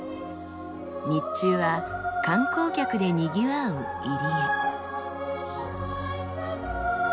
日中は観光客でにぎわう入り江。